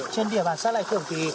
trên địa bàn sát lại thường thì có